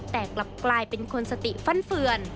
แต่กลับกลายเป็นคนสติฟันเฟือน